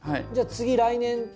じゃあ次来年。